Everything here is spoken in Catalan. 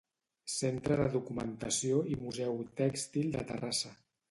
Centre de Documentació i Museu Tèxtil de Terrassa.